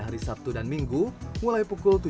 hari sabtu dan minggu mulai pukul